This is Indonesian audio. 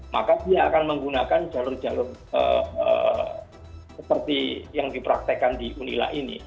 maka dia akan menggunakan jalur jalur seperti yang dipraktekan di unila ini